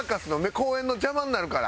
公演の邪魔になるから。